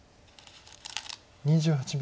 ２８秒。